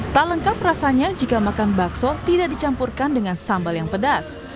tak lengkap rasanya jika makan bakso tidak dicampurkan dengan sambal yang pedas